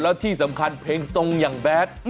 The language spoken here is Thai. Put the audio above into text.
แล้วที่สำคัญเพลงทรงอย่างแบด